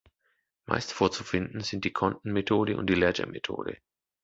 Meist vorzufinden sind die Konten-Methode und die Ledger-Methode.